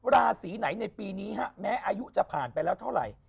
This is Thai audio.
ราศีไหนในปีนี้แม้อายุจะผ่านไปแล้วเท่าไหร่